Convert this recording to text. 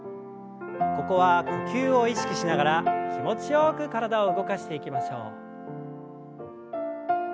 ここは呼吸を意識しながら気持ちよく体を動かしていきましょう。